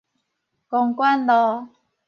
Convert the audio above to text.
公舘路